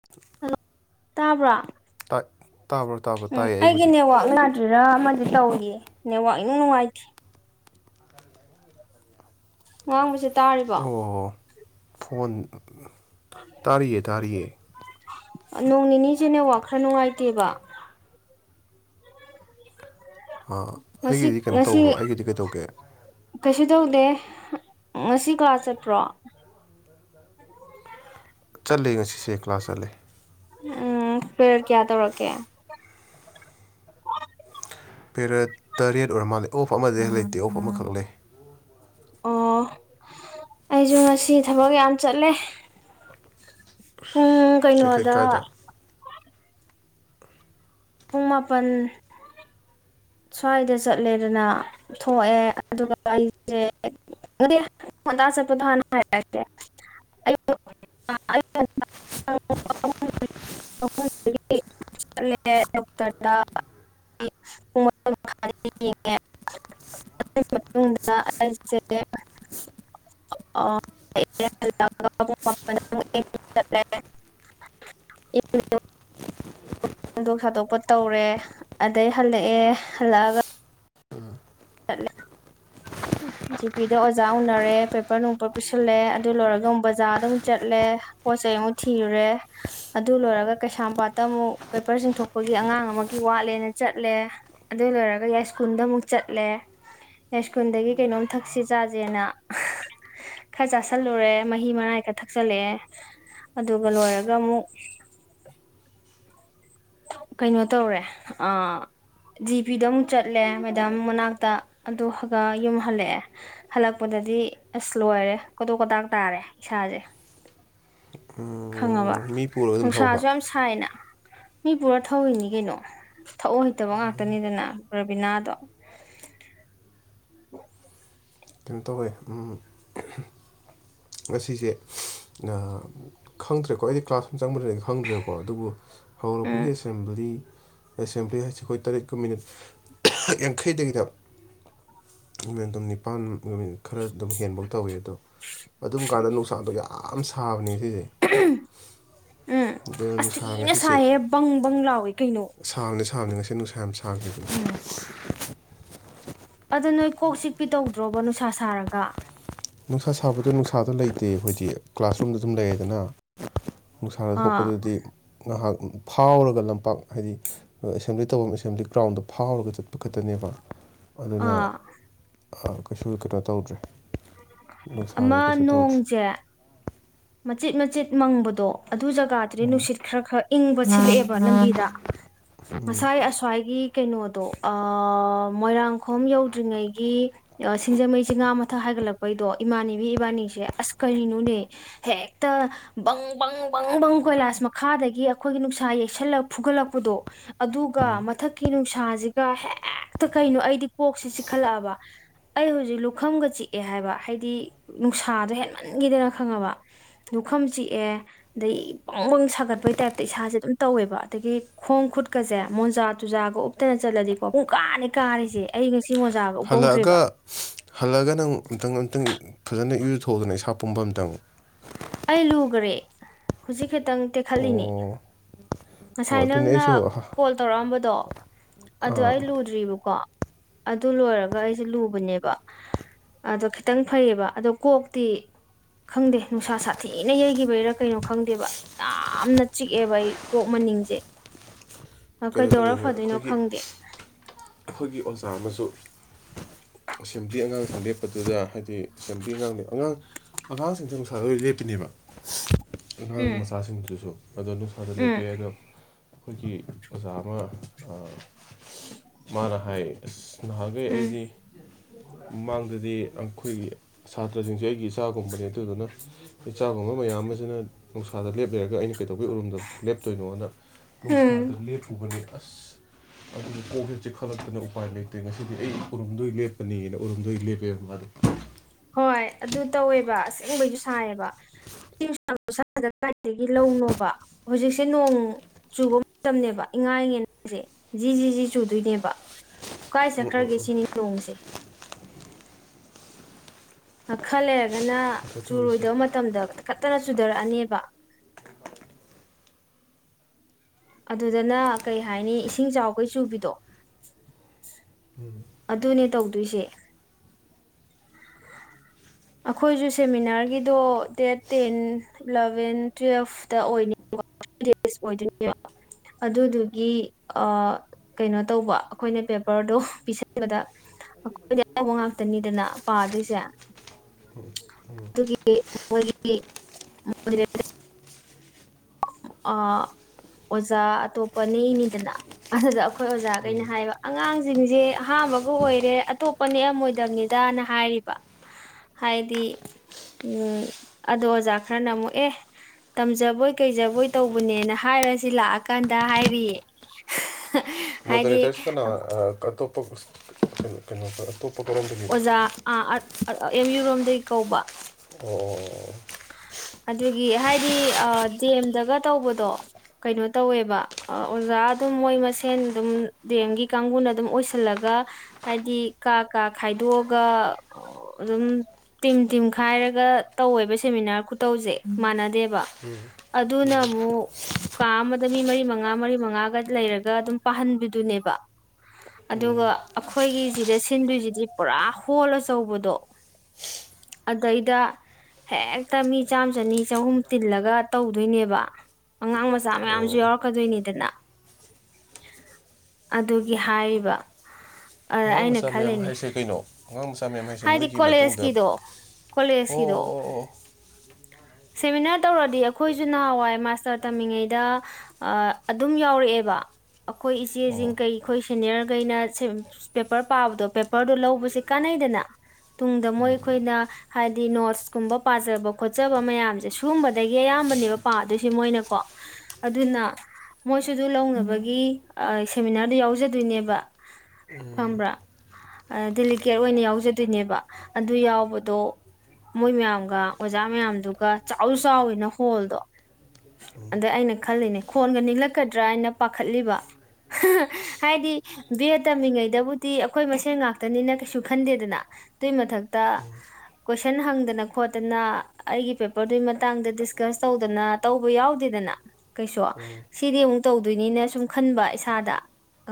[inaudible] Hello ꯇꯥꯕ꯭ꯔꯣ ꯇꯥ ꯇꯥꯕꯔꯣ ꯎꯝ ꯑꯩꯒꯤ ꯅꯦꯠꯋꯥꯔꯛ ꯌꯥꯗ꯭ꯔꯤꯔ ꯑꯃꯗꯤ ꯇꯧꯔꯤꯌꯦ ꯅꯦꯠꯋꯥꯔꯛ ꯏꯅꯨꯡ ꯅꯨꯡꯉꯥꯏꯇꯦ ꯉꯥꯡꯕꯁꯦ ꯇꯥ ꯑꯣ ꯐꯣꯟ ꯇꯥꯔꯤꯌꯦ ꯇꯥꯔꯤꯌꯦ ꯅꯣꯡ ꯅꯤꯅꯤꯁꯦ ꯅꯦꯠꯋꯥꯔꯛ ꯈꯔ ꯅꯨꯡꯉꯥꯏꯇꯦꯕ ꯉꯁꯤ ꯑꯩꯒꯤꯗꯤ ꯀꯩꯅꯣ ꯉꯁꯤ ꯇꯧꯕ꯭ꯔꯣ ꯑꯩꯒꯤꯗꯤ ꯀꯩꯗꯧꯒꯦ ꯀꯩꯁꯨ ꯇꯧꯗꯦ ꯉꯁꯤ ꯀꯂꯥꯁ ꯆꯠꯄ꯭ꯔꯣ ꯆꯠꯂꯦ ꯉꯁꯤꯁꯦ ꯀ꯭ꯂꯥꯁ ꯆꯠꯂꯦ ꯎꯝ ꯄꯦꯔꯠ ꯀꯌꯥ ꯇꯧꯔꯛꯀꯦ ꯄꯦꯔꯠ ꯇꯔꯦꯠ ꯑꯣꯏꯔ ꯃꯥꯜꯂꯦ ꯑꯣꯐ ꯑꯃꯗꯩꯩ ꯍꯦꯟꯅ ꯂꯩꯇꯦ ꯑꯣꯐ ꯑꯃꯈꯛ ꯂꯩ ꯑꯣ ꯑꯩꯁꯨ ꯉꯁꯤ ꯊꯕꯛ ꯌꯥꯝ ꯆꯠꯂꯦ ꯎꯝ ꯀꯩꯀꯩ ꯀꯩꯅꯣꯗ ꯀꯥꯏꯗ ꯄꯨꯡ ꯃꯥꯄꯜ ꯁ꯭ꯋꯥꯏꯗ ꯆꯠꯂꯦꯗꯅ ꯊꯣꯛꯑꯦ ꯑꯗꯨꯒ ꯑꯩꯁꯦ [unintelligible] ꯍꯥꯏꯁꯦ ꯑꯌꯨꯛ [unintelligible] ꯑꯩꯈꯣꯏꯗꯒꯤ ꯆꯠꯂꯦ ꯗꯣꯛꯇꯔꯗ ꯑꯩ ꯄꯨꯡ ꯌꯦꯡꯉꯦ ꯑꯗꯨꯏ ꯃꯇꯨꯡꯗ ꯑꯩꯁꯦ [inaudible] [inaudible] ꯊꯥꯗꯣꯛ ꯈꯣꯗꯣꯛꯄ ꯇꯧꯔꯦ ꯑꯗꯩ ꯍꯜꯂꯛꯑꯦ ꯍꯜꯂꯛꯑꯒ ꯎꯝ ꯆꯠꯂꯦ ꯖꯤ ꯄꯤꯗ ꯑꯣꯖꯥ ꯎꯅꯔꯦ ꯄꯦꯄꯔ ꯅꯨꯡꯄꯔ ꯄꯤꯁꯜꯂꯦ ꯑꯗꯨ ꯂꯣꯏꯔꯒ ꯕꯖꯥꯔꯗ ꯑꯗꯨꯝ ꯆꯠꯂꯦ ꯄꯣꯠ ꯆꯩ ꯑꯃꯨꯛ ꯊꯤꯔꯨꯔꯦ ꯑꯗꯨ ꯂꯣꯏꯔꯒ ꯀꯩꯁꯥꯝꯄꯥꯠꯇ ꯑꯃꯨꯛ ꯄꯦꯄꯔ ꯆꯤꯡꯊꯣꯛꯄꯒꯤ ꯑꯉꯥꯡ ꯑꯃꯒꯤ ꯋꯥꯠꯂꯦꯅ ꯆꯠꯂꯦ ꯑꯗꯨ ꯂꯣꯏꯔꯒ ꯌꯥꯏꯁ꯭ꯀꯨꯜꯗ ꯑꯃꯨꯛ ꯆꯠꯂꯦ ꯌꯥꯏꯁ꯭ꯀꯨꯜꯗꯒꯤ ꯀꯩꯅꯣꯝ ꯊꯛꯁꯤ ꯆꯥꯁꯦꯅ ꯈꯔ ꯆꯥꯥꯁꯜꯂꯨꯔꯦ ꯃꯍꯤ ꯃꯅꯥꯏ ꯈꯔ ꯊꯛꯆꯜꯂꯛꯑꯦ ꯑꯗꯨꯒ ꯂꯣꯏꯔꯒ ꯑꯃꯨꯛ ꯀꯩꯅꯣ ꯇꯧꯔꯦ ꯑꯥ ꯖꯤ ꯄꯤꯗ ꯑꯃꯨꯛ ꯆꯠꯂꯦ ꯃꯦꯗꯥꯝ ꯃꯅꯥꯛꯇ ꯑꯗꯨꯒ ꯑꯃꯨꯛ ꯌꯨꯝ ꯍꯜꯂꯛꯑꯦ ꯍꯜꯂꯛꯄꯗꯗꯤ ꯑꯁ ꯂꯣꯏꯔꯦ ꯀꯣꯇꯣꯛ ꯀꯣꯇꯥꯛ ꯇꯥꯔꯦ ꯏꯁꯥꯁꯦ ꯈꯪꯉꯕ ꯎꯝ ꯃꯤ ꯄꯨꯔꯒ ꯑꯗꯨꯝ ꯊꯧꯕ ꯅꯨꯡꯁꯥꯁꯨ ꯌꯥꯝ ꯁꯥꯏꯅ ꯃꯤ ꯄꯨꯔ ꯊꯧꯔꯤꯅꯤ ꯀꯩꯅꯣ ꯊꯧ ꯍꯩꯇꯕ ꯉꯥꯛꯇꯅꯤꯗꯅ ꯔꯕꯤꯅꯥꯗꯣ ꯀꯩꯅꯣ ꯇꯧꯋꯦ ꯎꯝ ꯉꯁꯤꯁꯦ ꯈꯪꯗ꯭ꯔꯦꯀꯣ ꯑꯩꯗꯤ ꯀ꯭ꯂꯥꯁ ꯆꯪꯕꯗꯗꯤ ꯈꯪꯗ꯭ꯔꯦꯕꯀꯣ ꯑꯗꯨꯕꯨ ꯎꯝ ꯍꯧꯔꯛꯄꯒꯤ ꯑꯦꯁꯦꯝꯕꯂꯤ ꯑꯦꯁꯦꯝꯕꯂꯤ ꯍꯥꯏꯁꯤ ꯑꯩꯈꯣꯏ ꯇꯔꯦꯠꯀ ꯃꯤꯅꯤꯠ ꯌꯥꯡꯈꯩꯗꯒꯤꯗ ꯄꯨꯡ ꯅꯤꯄꯥꯟ ꯅꯨꯃꯤꯠ ꯈꯔ ꯑꯗꯨꯝ ꯍꯦꯟꯕꯧ ꯇꯧꯋꯤ ꯑꯗꯣ ꯑꯗꯨꯝ ꯀꯥꯟꯗ ꯅꯨꯡꯁꯥꯗꯣ ꯌꯥꯝ ꯁꯥꯕꯅꯦ ꯉꯁꯤꯁꯦ ꯎꯝ ꯑꯗꯨꯅ ꯑꯁ ꯅꯨꯡꯁꯥ ꯊꯤꯅ ꯁꯥꯏꯍꯦ ꯕꯪ ꯕꯪ ꯂꯥꯎꯏ ꯀꯩꯅꯣ ꯁꯥꯕꯅꯤ ꯁꯥꯕꯅꯤ ꯉꯁꯤ ꯅꯨꯡꯁꯥ ꯌꯥꯝ ꯁꯥꯈꯤꯕꯅꯤ ꯎꯝ ꯑꯗꯨ ꯅꯣꯏ ꯀꯣꯛ ꯆꯤꯛꯄꯤ ꯇꯧꯗ꯭ꯔꯣꯕ ꯅꯨꯡꯁꯥ ꯁꯥꯔꯒ ꯅꯨꯡꯁꯥ ꯁꯥꯕꯗꯣ ꯅꯨꯡꯁꯥꯗ ꯂꯩꯇꯦ ꯑꯩꯈꯣꯏꯗꯤ ꯀ꯭ꯂꯥꯁꯔꯨꯝꯗ ꯑꯗꯨꯝ ꯂꯩꯌꯦꯗꯅ ꯅꯨꯡꯁꯥꯗ ꯑꯥ ꯊꯣꯛꯄꯗꯨꯗꯤ ꯉꯥꯏꯍꯥꯛ ꯐꯥꯎꯔꯒ ꯂꯝꯄꯥꯛ ꯍꯥꯏꯗꯤ꯫ ꯑꯗꯨ ꯑꯦꯁꯦꯝꯕ꯭ꯂꯤ ꯇꯧꯐꯝ ꯑꯦꯁꯦꯝꯕ꯭ꯂꯤ ꯒ꯭ꯔꯥꯎꯟꯗꯣ ꯐꯥꯎꯔꯒ ꯆꯠꯄ ꯈꯛꯇꯅꯦꯕ꯫ ꯑꯗꯨꯅ ꯑꯥ ꯑꯥ ꯀꯩꯁꯨ ꯀꯩꯅꯣ ꯇꯧꯗ꯭ꯔꯦ꯫ ꯑꯃ ꯅꯨꯡꯁꯥꯗꯣ ꯀꯩꯁꯨ ꯇꯧꯗ꯭ꯔꯦ ꯅꯣꯡꯁꯦ꯫ ꯃꯆꯤꯠ-ꯃꯆꯤꯠ ꯃꯪꯕꯗꯣ ꯑꯗꯨ ꯖꯒꯥ ꯗꯗꯤ ꯅꯨꯡꯁꯤꯠ ꯈꯔ-ꯈꯔ ꯏꯪꯕ ꯁꯤꯜꯂꯛꯑꯦꯕ ꯂꯝꯕꯤꯗ ꯉꯁꯥꯏ ꯑꯁ꯭ꯋꯥꯏꯒꯤ ꯀꯩꯅꯣꯗꯣ ꯑꯥ ꯃꯣꯏꯔꯥꯡꯈꯣꯝ ꯌꯧꯗ꯭ꯔꯤꯉꯩꯒꯤ ꯁꯤꯡꯖꯃꯩ ꯆꯤꯉꯥ ꯃꯊꯛ ꯍꯥꯏꯒꯠꯂꯛꯄꯩꯗꯣ ꯏꯃꯥꯅꯕꯤ ꯏꯕꯥꯅꯤꯁꯦ ꯑꯁ ꯀꯔꯤꯅꯣꯅꯦ ꯍꯦꯛꯇ ꯕꯪ ꯕꯪ ꯕꯪ ꯕꯪ ꯀꯣꯏꯂꯥꯁ ꯃꯈꯥꯗꯒꯤ ꯑꯩꯈꯣꯏꯒꯤ ꯅꯨꯡꯁꯥ ꯌꯩꯁꯜꯂ ꯐꯨꯒꯠꯂꯛꯄꯗꯣ ꯑꯗꯨꯒ ꯃꯊꯛꯀꯤ ꯅꯨꯡꯁꯥꯁꯤꯒ ꯍꯦꯛꯇ ꯀꯩꯅꯣ ꯑꯩꯗꯤ ꯀꯣꯛꯁꯤ ꯆꯤꯛꯈꯠꯂꯛꯑꯕ꯫ ꯑꯩ ꯍꯧꯖꯤꯛ ꯂꯨꯈꯝꯒ ꯆꯤꯛꯑꯦ ꯍꯥꯏꯕ ꯍꯥꯏꯗꯤ ꯅꯨꯡꯁꯥꯗꯣ ꯍꯦꯟꯃꯟꯈꯤꯗꯅ ꯈꯪꯉꯕ꯫ ꯂꯨꯈꯝ ꯆꯤꯛꯑꯦ ꯑꯗꯩ ꯄꯪ ꯄꯪ ꯁꯥꯒꯠꯄꯒꯤ ꯇꯥꯏꯞꯇ ꯏꯁꯥꯁꯦ ꯑꯗꯨꯝ ꯇꯧꯋꯦꯕ ꯑꯗꯒꯤ ꯈꯣꯡ ꯈꯨꯠꯀꯁꯦ ꯃꯣꯟꯖꯥ ꯇꯨꯖꯥꯒ ꯎꯞꯇꯅ ꯆꯠꯂꯗꯤꯀꯣ ꯄꯨꯡ ꯀꯥꯅꯤ ꯀꯥꯔꯤꯁꯦ꯫ ꯑꯩ ꯉꯁꯤ ꯃꯣꯖꯥꯒ ꯎꯞꯄꯧꯗ꯭ꯔꯦꯕ꯫ ꯍꯜꯂꯒ ꯅꯪ ꯑꯃꯨꯛꯇꯪ ꯑꯨꯝꯇꯪ ꯐꯖꯅ ꯏꯔꯨꯖꯥꯊꯣꯛꯎꯗꯅ ꯏꯁꯥ ꯄꯨꯝꯕ ꯑꯃꯇꯪ꯫ ꯑꯩ ꯂꯨꯒ꯭ꯔꯦ ꯍꯧꯖꯤꯛ ꯈꯤꯇꯪ ꯇꯦꯛꯈꯠꯂꯤꯅꯦ꯫ ꯑꯣ ꯑꯣ ꯉꯁꯥꯏ ꯑꯗꯨꯅꯦ ꯅꯪꯅ ꯑꯩꯁꯨ ꯀꯣꯜ ꯇꯧꯔꯛꯑꯝꯕꯗꯣ ꯑꯗꯣ ꯑꯩ ꯂꯨꯗ꯭ꯔꯤꯕꯀꯣ ꯑꯗꯨ ꯂꯣꯏꯔꯒ ꯑꯩꯁꯦ ꯂꯨꯕꯅꯦꯕ ꯑꯗꯣ ꯈꯤꯇꯪ ꯐꯩꯌꯦꯕ ꯑꯗꯣ ꯀꯣꯛꯇꯤ ꯈꯪꯗꯦ꯫ ꯅꯨꯡꯁꯥ ꯁꯥꯊꯤꯅ ꯌꯩꯈꯤꯕꯩꯔꯥ ꯀꯩꯅꯣ ꯈꯪꯗꯦꯕ ꯌꯥꯝꯅ ꯆꯤꯛꯑꯦꯕ ꯑꯩ ꯀꯣꯛ ꯃꯅꯤꯡꯁꯦ ꯑ ꯀꯩꯅꯣ ꯀꯩꯗꯧꯔ ꯇꯧꯋꯦ ꯐꯗꯣꯏꯅꯣ ꯑꯩꯈꯣꯏꯒꯤ ꯈꯪꯗꯦ꯫ ꯑꯩꯈꯣꯏꯒꯤ ꯑꯣꯖꯥ ꯑꯃꯁꯨ ꯑꯦꯁꯦꯝꯕ꯭ꯂꯤ ꯑꯉꯥꯡ ꯂꯦꯞꯄꯗꯨꯗ ꯍꯥꯏꯗꯤ ꯁꯦꯝꯕ꯭ꯂꯤ ꯑꯉꯥꯡꯅꯦ ꯑꯉꯥꯡ ꯑꯉꯥꯡꯁꯤꯡꯁꯦ ꯅꯨꯡꯁꯥꯗ ꯂꯣꯏ ꯂꯦꯞꯄꯤꯅꯦꯕ ꯑꯉꯥꯡ ꯎꯝ ꯃꯆꯥꯁꯤꯡꯗꯨꯁꯨ ꯑꯗꯣ ꯅꯨꯡꯁꯥꯗ ꯂꯦꯄꯦ ꯎꯝ ꯑꯗꯣ ꯑꯩꯈꯣꯏꯒꯤ ꯑꯣꯖꯥ ꯑꯃ ꯃꯥꯅ ꯍꯥꯏ ꯑꯁ ꯅꯍꯥꯟꯈꯩ ꯎꯝ ꯑꯩꯗꯤ ꯃꯃꯥꯡꯗꯗꯤ ꯑꯩꯈꯣꯏꯒꯤ ꯁꯥꯇ꯭ꯔꯁꯤꯡꯁꯦ ꯑꯩꯒꯤ ꯏꯆꯥꯒꯨꯝꯕꯅꯤ ꯑꯗꯨꯗꯨꯅ ꯏꯆꯥꯒꯨꯝꯕ ꯃꯌꯥꯝ ꯑꯁꯤꯅ ꯅꯨꯡꯁꯥꯗ ꯂꯦꯞ ꯂꯩꯔꯒ ꯑꯩꯅ ꯀꯩꯗꯧꯕꯩ ꯎꯔꯝꯗꯕ ꯂꯦꯞꯇꯣꯏꯅꯣꯅ ꯅꯨꯡꯁꯥꯗ ꯎꯝ ꯂꯦꯞꯄꯨꯕꯅꯤ ꯑꯁ ꯑꯗꯨ ꯀꯣꯛꯁꯦ ꯆꯦꯈꯠꯂꯛꯇꯅ ꯎꯄꯥꯏ ꯂꯩꯇꯦ ꯉꯁꯤꯗꯤ ꯑꯩ ꯎꯔꯨꯝꯗꯣꯏ ꯂꯦꯞꯄꯅꯤꯅ ꯎꯔꯨꯝꯗꯣꯏ ꯂꯦꯞꯄꯦꯕ ꯃꯥꯗꯣ꯫ ꯍꯣꯏ ꯑꯗꯨ ꯇꯧꯋꯦꯕ ꯑꯁꯦꯡꯕꯩꯁꯨ ꯁꯥꯏꯌꯦꯕ꯫ [unintelligible] ꯁꯗ ꯀꯔꯩꯗꯒꯤ ꯂꯧꯅꯣꯕ ꯍꯧꯖꯤꯛꯁꯦ ꯅꯣꯡ ꯆꯨꯕ ꯃꯇꯝꯅꯦꯕ ꯏꯉꯥ ꯏꯉꯦꯟꯁꯦ ꯖꯤ ꯖꯤ ꯆꯨꯗꯣꯏꯅꯦꯕ꯫ ꯀꯥꯏ ꯆꯠꯈ꯭ꯔꯒꯦ ꯁꯤꯅꯤ ꯅꯣꯡꯁꯦ꯫ ꯈꯔ ꯂꯩꯔꯒꯅ ꯉꯁꯥꯏ ꯇꯧꯔꯤꯁꯦ ꯆꯨꯔꯣꯏꯗꯕ ꯃꯇꯝꯗ ꯇꯤꯈꯠꯇꯅ ꯆꯨꯊꯔꯛꯑꯅꯦꯕ꯫ ꯑꯗꯨꯗꯅ ꯀꯩ ꯍꯥꯏꯅꯤ ꯏꯁꯤꯡ ꯆꯥꯎ ꯀꯩ ꯆꯨꯕꯤꯗꯣ ꯑꯗꯨꯅꯦ ꯇꯧꯗꯣꯏꯁꯦ꯫ ꯑꯩꯈꯣꯏꯁꯨ ꯁꯦꯃꯤꯅꯥꯔꯒꯤꯗꯣ ꯗꯦꯠ ꯇꯦꯟ ꯏꯂꯚꯦꯟ ꯇꯨꯋꯦꯜꯐꯇ ꯑꯣꯏꯅꯤꯡꯕ ꯊꯥꯔꯇꯤꯟ ꯗꯦꯁ ꯑꯣꯏꯗꯣꯏꯅꯦꯕ ꯑꯗꯨꯗꯨꯒꯤ ꯑꯥ ꯀꯩꯅꯣ ꯇꯧꯕ ꯑꯩꯈꯣꯏꯅ ꯄꯦꯄꯔꯗꯣ ꯄꯤꯁꯟꯕꯗ ꯑꯩꯈꯣꯏꯗꯤ ꯑꯑꯧꯕ ꯉꯥꯛꯇꯅꯤꯗꯅ ꯄꯥꯗꯣꯏꯁꯦ꯫ ꯑꯗꯨꯒꯤ ꯃꯣꯏꯒꯤ [unintelligible] ꯑꯥ ꯑꯣꯖꯥ ꯑꯇꯣꯞꯄ ꯅꯦꯛꯏꯅꯤꯗꯅ ꯑꯗꯨꯗꯣ ꯑꯈꯣꯏ ꯑꯣꯖꯥꯒꯩꯅ ꯍꯥꯏꯕ ꯑꯉꯥꯡꯖꯤꯡꯖꯦ ꯑꯍꯥꯥꯟꯕꯒ ꯑꯣꯏꯔꯦ ꯑꯇꯣꯞ ꯄꯅꯦ ꯌꯥꯝ ꯑꯣꯏꯗꯝꯅꯤꯗꯅ ꯍꯥꯏꯔꯤꯕ ꯍꯥꯏꯗꯤ ꯎꯝ ꯑꯗꯣ ꯑꯣꯖꯥ ꯈꯔꯅ ꯑꯃꯨꯛ ꯑꯦ ꯇꯝꯖꯕꯣꯏ ꯀꯩꯖꯕꯣꯏ ꯇꯧꯕꯅꯦꯅ ꯍꯥꯏꯔꯁꯤ ꯂꯥꯛꯑꯀꯥꯟꯗ ꯍꯥꯏꯔꯤꯌꯦ ꯍꯥꯏꯗꯤ [unintelligible] ꯑꯇꯣꯞꯄꯁ ꯀꯩꯅꯣ ꯀꯩꯅꯣ ꯇꯧ ꯑꯇꯣꯞꯄ ꯀꯔꯣꯝꯗꯒꯤꯅꯣ ꯑꯣꯖꯥ ꯑꯥ ꯑꯦꯝ ꯌꯨ ꯔꯣꯝꯗꯒꯤ ꯀꯧꯕ ꯑꯣ ꯑꯗꯨꯒꯤ ꯍꯥꯏꯗꯤ ꯑꯥ ꯍꯦꯝꯗꯒ ꯇꯧꯕꯗꯣ ꯀꯩꯅꯣ ꯇꯧꯋꯦꯕ ꯑ ꯑꯣꯖꯥ ꯑꯗꯨꯝ ꯃꯣꯏ ꯃꯁꯦꯟ ꯗꯨꯝ ꯗꯤ ꯑꯦꯝꯒꯤ ꯀꯥꯡꯕꯨꯅ ꯑꯗꯨꯝ ꯑꯣꯏꯁꯤꯜꯂꯒ ꯍꯥꯏꯗꯤ ꯀꯥ ꯀꯥ ꯈꯥꯏꯗꯣꯛꯑꯒ ꯑꯣ ꯑꯗꯨꯝ ꯇꯤꯝ ꯇꯤꯝ ꯈꯥꯏꯔꯒ ꯇꯧꯋꯦꯕ ꯁꯤ ꯁꯦꯃꯤꯅꯥꯔ ꯈꯨꯇꯧꯁꯦ ꯃꯥꯟꯅꯗꯦꯕ ꯑꯗꯨꯅ ꯑꯃꯨꯛ ꯀꯥ ꯑꯃꯗ ꯃꯤ ꯃꯔꯤ ꯃꯉꯥ ꯃꯔꯤ ꯃꯉꯥꯒ ꯂꯩꯔꯒ ꯑꯗꯨꯝ ꯄꯥꯍꯟꯕꯤꯗꯨꯅꯦꯕ ꯑꯗꯨꯒ ꯑꯈꯣꯏꯒꯤꯁꯤꯗ ꯁꯤꯟꯗꯣꯏꯁꯤꯗꯤ ꯄꯨꯔꯥ ꯍꯣꯜ ꯑꯆꯧꯕꯗꯣ ꯑꯗꯩꯗ ꯍꯦꯛꯇ ꯃꯤ ꯆꯥꯝ ꯆꯅꯤ ꯆꯍꯨꯝ ꯇꯤꯜꯂꯒ ꯇꯧꯗꯣꯏꯅꯦꯕ ꯑꯉꯥꯡ ꯃꯆꯥ ꯑꯣ ꯃꯌꯥꯝꯁꯨ ꯑꯣ ꯌꯥꯎꯔꯛꯀꯗꯣꯏꯅꯤꯗꯅ ꯑꯗꯨꯒꯤ ꯍꯥꯏꯔꯤꯕ ꯑꯗ ꯑꯉꯥꯡ ꯑꯩꯅ ꯃꯆꯥ ꯃꯌꯥꯝ ꯈꯜꯂꯤꯅꯤ ꯍꯥꯏꯁꯦ ꯀꯩꯅꯣ ꯑꯉꯥꯡ ꯃꯆꯥ ꯃꯌꯥꯝ ꯍꯥꯏꯁꯦ ꯍꯥꯏꯗꯤ ꯅꯣꯏꯒꯤ ꯃꯇꯨꯡꯗ ꯀꯣꯂꯦꯖꯀꯤꯗꯣ ꯑꯣ ꯀꯣꯂꯦꯖꯀꯤꯗꯣ ꯑꯣ ꯁꯦꯃꯤꯅꯥꯔ ꯇꯧꯔꯗꯤ ꯑꯈꯣꯏꯁꯨ ꯅꯍꯥꯟꯋꯥꯏ ꯃꯥꯁꯇꯔ ꯇꯝꯃꯤꯉꯩꯗ ꯑꯥꯑꯗꯨꯝ ꯌꯥꯎꯔꯛꯑꯦꯕ ꯑꯈꯣꯏ ꯑꯣ ꯏꯆꯦꯁꯤꯡ ꯑꯣ ꯀꯩ ꯈꯣꯏ ꯁꯦꯅꯤꯌꯔꯈꯩꯅ ꯄꯦꯄꯔ ꯄꯥꯕꯗꯣ ꯄꯦꯄꯔꯗꯣ ꯂꯧꯕꯁꯦ ꯀꯥꯟꯅꯩꯗꯅ ꯇꯨꯡꯗ ꯃꯣꯏ ꯈꯣꯏꯅ ꯍꯥꯏꯗꯤ ꯅꯣꯠꯁꯀꯨꯝꯕ ꯄꯥꯖꯕ ꯈꯣꯠꯆꯕ ꯃꯌꯥꯝꯁꯦ ꯁꯤꯨꯒꯨꯝꯕꯗꯒꯤ ꯑꯌꯥꯝꯕꯅꯦꯕ ꯄꯥꯗꯣꯏꯁꯦ ꯃꯣꯏꯅꯀꯣ ꯑꯗꯨꯅ ꯃꯣꯏꯁꯨ ꯗꯨ ꯂꯧꯅꯕꯒꯤ ꯁꯦꯃꯤꯅꯥꯔꯗꯨ ꯌꯥꯎꯖꯗꯣꯏꯅꯦꯕ ꯈꯪꯕ꯭ꯔꯥ ꯗꯦꯂꯤꯀꯦꯠ ꯑꯣꯏꯅ ꯌꯥꯎꯖꯗꯣꯏꯅꯦꯕ ꯑꯗꯨ ꯌꯥꯎꯕꯗꯣ ꯃꯣꯏ ꯃꯌꯥꯝꯒ ꯑꯣꯖꯥ ꯃꯌꯥꯝꯗꯨꯒ ꯆꯥꯎꯁꯨ ꯆꯥꯎꯋꯤꯅ ꯍꯣꯜꯗꯣ ꯑꯗ ꯑꯩꯅ ꯈꯜꯂꯤꯅꯦ ꯈꯣꯟꯗꯣ ꯅꯤꯛꯂꯛꯀꯗ꯭ꯔꯥ ꯍꯥꯏꯅ ꯄꯥꯈꯠꯂꯤꯕ ꯍꯥꯏꯗꯤ ꯕꯤ ꯑꯦ ꯇꯝꯃꯤꯉꯩꯗꯕꯨꯗꯤ ꯑꯈꯣꯏ ꯃꯁꯦꯟ ꯉꯥꯛꯇꯅꯤꯅ ꯀꯩꯁꯨ ꯈꯟꯗꯦꯗꯅ ꯑꯗꯨꯏ ꯃꯊꯛꯇ ꯀꯣꯏꯁꯟ ꯍꯪꯗꯅ ꯈꯣꯠꯇꯅ ꯑꯩꯒꯤ ꯄꯦꯄꯔꯗꯨꯏ ꯃꯇꯥꯡꯗ ꯗꯤꯁꯀꯁ ꯇꯧꯗꯅ ꯇꯧꯕ ꯌꯥꯎꯗꯦꯗꯅ ꯀꯩꯁꯨ ꯁꯤꯗꯤ ꯃꯨꯛ ꯇꯧꯗꯣꯏꯅꯤꯅ ꯁꯨꯝ ꯈꯟꯕ ꯏꯁꯥꯗ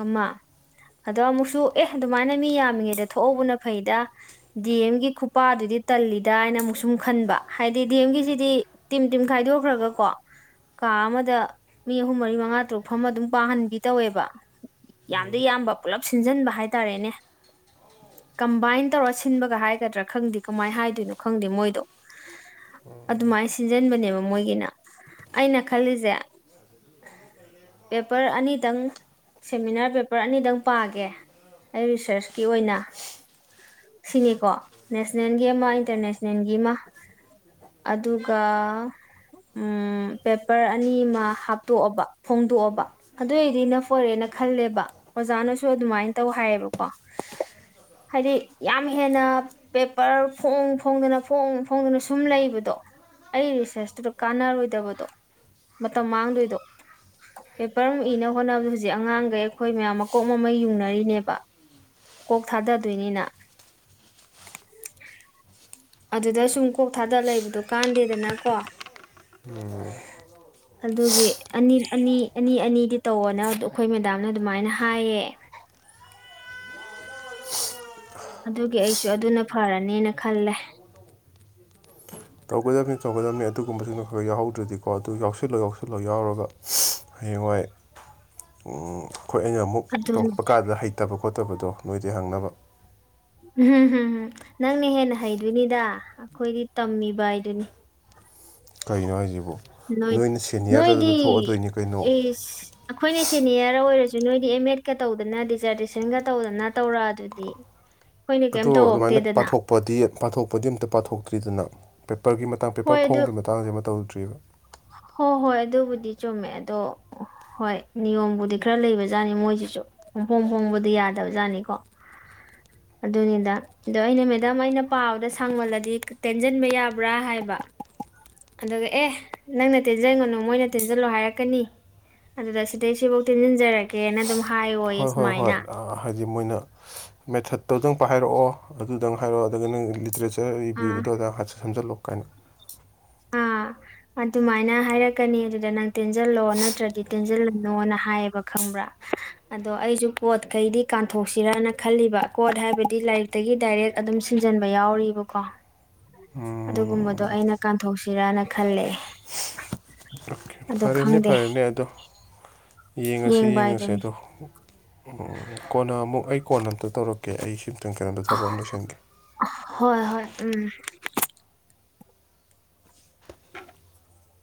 ꯑꯃ ꯑꯗ ꯑꯃꯨꯛꯁꯨ ꯑꯦ ꯗꯨꯃꯥꯏꯅ ꯃꯤ ꯌꯥꯝꯃꯤꯉꯩꯗ ꯊꯣꯛꯍꯧꯕꯅ ꯐꯩꯗ ꯗꯤ ꯑꯦꯝꯒꯤ ꯈꯨꯄꯥꯗꯨꯗꯤ ꯇꯜꯂꯤꯗ ꯍꯥꯏꯅ ꯑꯃꯨꯛ ꯁꯨꯃꯨꯛ ꯈꯟꯕ ꯍꯥꯏꯗꯤ ꯗꯤ ꯑꯦꯝꯒꯤꯁꯤꯗꯤ ꯇꯤꯝ ꯇꯤꯝ ꯈꯥꯏꯗꯣꯛꯈ꯭ꯔꯒ ꯀꯣ ꯀꯥ ꯑꯃꯗ ꯃꯤ ꯑꯍꯨꯝ ꯃꯔꯤ ꯃꯉꯥ ꯇꯔꯨꯛ ꯐꯝꯃꯥ ꯗꯨꯝ ꯄꯥꯍꯟꯕꯤ ꯇꯧꯋꯦꯕ ꯌꯥꯝꯗꯤ ꯌꯥꯝꯕ ꯄꯨꯜꯂꯞ ꯁꯤꯟꯖꯤꯟꯕ ꯍꯥꯏꯇꯥꯔꯦꯅꯦ ꯀꯝꯕꯥꯏꯟ ꯇꯧꯔ ꯁꯤꯟꯕꯒ ꯍꯥꯏꯒꯗ꯭ꯔꯥ ꯈꯪꯗꯦ ꯀꯃꯥꯏ ꯍꯥꯏꯗꯣꯏꯅꯣ ꯈꯪꯗꯦ ꯃꯣꯏꯗꯣ ꯑꯗꯨꯃꯥꯏ ꯁꯤꯟꯖꯟꯕꯅꯦꯕ ꯃꯣꯏꯒꯤꯅ ꯑꯩꯅ ꯈꯜꯂꯤꯁꯦ ꯄꯦꯄꯔ ꯑꯅꯤꯗꯪ ꯁꯦꯃꯤꯅꯥꯔ ꯄꯦꯄꯔ ꯑꯅꯤꯗꯪ ꯄꯥꯒꯦ ꯑꯩ ꯔꯤꯁꯔꯁꯀꯤ ꯑꯣꯏꯅ ꯁꯤꯅꯦꯀꯣ ꯅꯦꯁꯅꯦꯜꯒꯤ ꯑꯃ ꯏꯟꯇꯔꯅꯦꯁꯅꯦꯜꯒꯤ ꯑꯃ ꯑꯗꯨꯒ ꯎꯝ ꯄꯦꯄꯔ ꯑꯅꯤ ꯑꯃ ꯍꯥꯞꯇꯣꯛꯑꯕ ꯐꯣꯡꯗꯣꯛꯑꯕ ꯑꯗꯨꯏꯗꯤ ꯏꯅꯞ ꯑꯣꯏꯔꯦꯅ ꯈꯜꯂꯦꯕ ꯑꯣꯖꯥꯅꯁꯨ ꯑꯗꯨꯃꯥꯏꯅ ꯇꯧ ꯍꯥꯏꯌꯦꯕꯀꯣ ꯍꯥꯏꯗꯤ ꯌꯥꯝ ꯍꯦꯟꯅ ꯄꯦꯄꯔ ꯐꯣꯡ ꯐꯣꯡꯗꯅ ꯐꯣꯡ ꯐꯣꯡꯗꯅ ꯁꯨꯝ ꯂꯩꯕꯗꯣ ꯑꯩ ꯔꯤꯁꯔꯁꯇꯨꯗ ꯀꯥꯟꯅꯔꯣꯏꯗꯕꯗꯣ ꯃꯇꯝ ꯃꯥꯡꯗꯣꯏꯗꯣ ꯄꯦꯄꯔ ꯑꯃꯨꯛ ꯏꯅ ꯍꯣꯠꯅꯕꯗ ꯍꯧꯖꯤꯛ ꯑꯉꯥꯡꯒꯩ ꯑꯩꯈꯣꯏ ꯃꯌꯥꯝ ꯃꯀꯣꯛ ꯃꯃꯩ ꯌꯨꯡꯅꯔꯤꯅꯦꯕ ꯀꯣꯛ ꯊꯥꯗꯗꯣꯏꯅꯤꯅ ꯑꯗꯨꯗ ꯁꯨꯝ ꯀꯣꯛ ꯊꯥꯗ ꯂꯩꯕꯗꯣ ꯀꯥꯟꯗꯦꯗꯅꯀꯣ ꯑꯗꯨꯒꯤ ꯑꯅꯤ ꯑꯅꯤ ꯑꯅꯤ ꯑꯅꯤꯗꯤ ꯇꯧꯑꯣꯅꯦ ꯑꯗꯨ ꯑꯩꯈꯣꯏ ꯃꯦꯗꯥꯝꯅ ꯑꯗꯨꯃꯥꯏꯅ ꯍꯥꯏꯌꯦ ꯑꯗꯨꯒꯤ ꯑꯩꯁꯨ ꯑꯗꯨꯅ ꯐꯔꯅꯤꯅ ꯈꯜꯂꯦ ꯇꯧꯒꯗꯕꯅꯤ ꯇꯧꯒꯗꯕꯅꯤ ꯑꯗꯨꯒꯨꯝꯕꯁꯤꯡꯗꯣ ꯈꯔ ꯈꯔ ꯌꯥꯎꯍꯧꯗ꯭ꯔꯗꯤꯀꯣ ꯑꯗꯨ ꯌꯥꯎꯁꯤꯜꯂꯣ ꯌꯥꯎꯁꯤꯜꯂꯣ ꯌꯥꯎꯔꯒ ꯍꯌꯦꯡꯋꯥꯏ [unintelligible] ꯑꯩꯈꯣꯏ ꯑꯩꯅ ꯑꯃꯨꯛ ꯑꯗꯨꯅ ꯇꯧꯔꯛꯄ ꯀꯥꯟꯗ ꯍꯩꯇꯕ ꯈꯣꯠꯇꯕꯗꯣ ꯅꯣꯏꯗꯩ ꯍꯪꯅꯕ ꯎꯝ ꯍꯝ ꯅꯪꯅ ꯍꯦꯟꯅ ꯍꯩꯗꯣꯏꯅꯤꯗ ꯑꯩꯈꯣꯏꯗꯤ ꯇꯝꯃꯤꯕ ꯍꯥꯏꯗꯨꯅꯤ ꯀꯩꯅꯣ ꯍꯥꯏꯁꯤꯕꯨ ꯅꯣꯏ ꯅꯣꯏꯅ ꯁꯦꯅꯤꯌꯔ ꯑꯗꯨꯗ ꯊꯣꯛꯑꯗꯣꯏꯅꯤ ꯀꯩꯅꯣ ꯏꯁ [unintelligible] ꯑꯩꯈꯣꯏꯅ ꯁꯦꯅꯤꯌꯔ ꯑꯣꯏꯔꯁꯨ ꯅꯣꯏꯗꯤ ꯑꯦꯝ ꯑꯦꯗꯀ ꯇꯧꯗꯅ ꯗꯤꯖꯔꯇꯦꯁꯟꯒ ꯇꯧꯗꯅ ꯇꯧꯔꯛ ꯑꯗꯨꯗꯤ ꯑꯩꯈꯣꯏꯅ ꯀꯩꯝ ꯇꯧꯔꯛꯇꯦꯗꯅ ꯄꯗꯤ ꯄꯥꯊꯣꯛꯄꯗꯤ ꯑꯝꯇ ꯄꯥꯊꯣꯛꯇ꯭ꯔꯤꯗꯅ ꯄꯦꯄꯔꯒꯤ ꯃꯇꯥꯡ ꯄꯦꯄꯔ ꯐꯣꯡꯕꯒꯤ ꯃꯇꯥꯡꯁꯦ ꯑꯃ ꯇꯧꯗ꯭ꯔꯤꯌꯦꯕ ꯍꯣ ꯍꯣꯏ ꯑꯗꯨꯕꯨꯗꯤ ꯆꯨꯝꯃꯦ ꯑꯗꯣ ꯍꯣꯏ ꯅꯤꯌꯣꯝꯕꯨꯗꯤ ꯈꯔ ꯂꯩꯕꯖꯥꯠꯅꯤ ꯃꯣꯏꯁꯤꯁꯨ ꯄꯨꯡꯐꯣꯡ ꯐꯣꯡꯕꯗꯤ ꯌꯥꯗꯕꯖꯥꯠꯅꯤꯀꯣ ꯑꯗꯨꯅꯤꯗ ꯑꯗꯣ ꯑꯩꯅ ꯃꯦꯗꯥꯝ ꯑꯩꯅ ꯄꯥꯕꯗ ꯁꯥꯡꯃꯜꯂꯗꯤ ꯇꯦꯟꯁꯤꯟꯕ ꯌꯥꯕ꯭ꯔꯥ ꯍꯥꯏꯕ ꯑꯗꯨꯒ ꯑꯦ ꯅꯪꯅ ꯇꯦꯟꯖꯟꯒꯅꯨ ꯃꯣꯏꯅ ꯇꯦꯟꯖꯜꯂꯣ ꯍꯥꯏꯔꯛꯀꯅꯤ ꯑꯗꯨꯗ ꯁꯤꯗꯩ ꯁꯤꯐꯧ ꯇꯤꯟꯁꯤꯟꯖꯔꯒꯦ ꯀꯦꯅ ꯑꯗꯨꯝ ꯍꯥꯏ ꯍꯣꯏ ꯍꯣꯏ ꯍꯣꯏ ꯑ ꯍꯥꯏꯗꯤ ꯃꯣꯏꯅ ꯃꯦꯊꯠꯇꯣꯗꯪ ꯄ ꯍꯥꯏꯔꯛꯑꯣ ꯑꯗꯨꯗꯪ ꯍꯥꯏꯔꯛꯑꯣ ꯑꯗꯨꯒ ꯅꯪ ꯂꯤꯇꯔꯦꯆꯔ ꯁꯤ ꯑꯥ ꯔꯤꯕ꯭ꯌꯨꯗꯨꯗꯧꯗꯥ ꯍꯥꯠ ꯁꯖꯜꯂꯣ ꯀꯥꯏꯅ [unintelligible] ꯑꯥ ꯑꯗꯨꯃꯥꯏꯅ ꯍꯥꯏꯔꯛꯀꯅꯤ ꯑꯗꯨꯗ ꯅꯪ ꯇꯦꯟꯁꯤꯜꯂꯣ ꯅꯠꯇ꯭ꯔꯗꯤ ꯇꯦꯟꯁꯤꯜꯂꯨꯅꯣꯅ ꯍꯥꯏꯌꯦꯕ ꯈꯪꯕ꯭ꯔꯥ [unintelligible] ꯑꯗꯣ ꯑꯩꯁꯨ ꯀꯣꯠꯈꯩꯗꯤ ꯀꯥꯟꯊꯣꯛꯁꯤꯔꯅ ꯈꯜꯂꯤꯕ ꯀꯣꯠ ꯍꯥꯏꯕꯗꯤ ꯂꯥꯏꯔꯤꯛꯇꯒꯤ ꯗꯥꯏꯔꯦꯛ ꯑꯗꯨꯝ ꯁꯤꯟꯖꯟꯕ ꯌꯥꯎꯔꯤꯕꯀꯣ ꯑꯗꯨꯒꯨꯝꯕꯗꯣ ꯑꯩꯅ ꯀꯥꯟꯊꯣꯛꯁꯤꯔꯅ ꯈꯜꯂꯦ ꯑꯣꯀꯦ ꯑꯗꯣ ꯐꯔꯦꯅꯦ ꯈꯪꯗꯦ ꯐꯔꯦꯅꯦ ꯑꯗꯣ ꯌꯦꯡꯉꯁꯦ ꯌꯦꯡꯕ ꯌꯦꯡꯉꯁꯦ ꯍꯥꯏꯗꯨꯅꯤ ꯑꯗꯣ ꯀꯣꯟꯅ ꯑꯃꯨꯛ ꯑꯩ ꯀꯣꯟꯅ ꯑꯝꯇ ꯇꯧꯔꯛꯀꯦ ꯑꯩꯁꯤꯅ ꯇ ꯀꯩꯅꯣꯝꯇ ꯊꯕꯛ ꯑꯃꯇ ꯂꯣꯏꯁꯟꯒꯦ ꯍꯣꯏ ꯍꯣꯏ ꯎꯝ